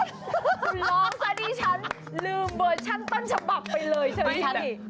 นี่คุณร้องซะดิฉันลืมเวิร์นชั้นตั้งฉบับไปเลยใช่ไหม